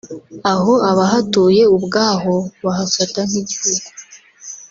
aho abahatuye ubwaho bahafata nk’igihugu